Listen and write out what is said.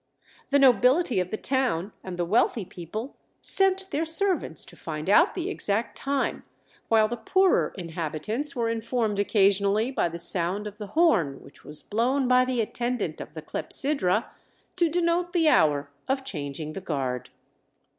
The nobility of the town and the wealthy people sent their servants to find out the exact time, while the poorer inhabitants were informed occasionally by the sound of the horn which was blown by the attendant of the clepsydra to denote the hour of changing the guard.